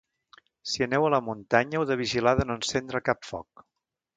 Si aneu a la muntanya, heu de vigilar de no encendre cap foc.